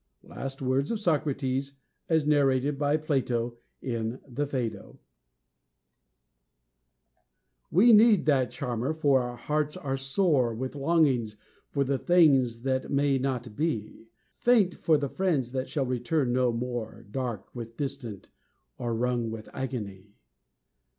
Last words of Socrates, as narrated by Plato in the Phoedo. We need that charmer, for our hearts are sore With longings for the things that may not be, Faint for the friends that shall return no more, Dark with distrust, or wrung with agony.